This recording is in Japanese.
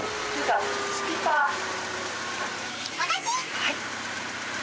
はい。